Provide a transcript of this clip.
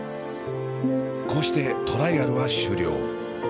こうしてトライアルは終了。